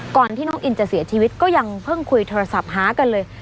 ก่อนที่น้องอินจะเสียชีวิตก็ยังเพิ่งคุยโทรศัพท์หากันเลย